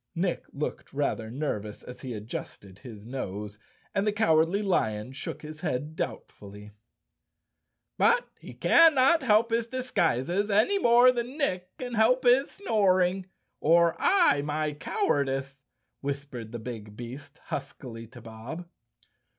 Nick looked rather nervous as he adjusted his nose, and the Cowardly Lion shook his head doubtfully. "But he cannot help his disguises any more than Nick can help his snoring, or I, my cowardice," whis¬ pered the big beast huskily to Bob.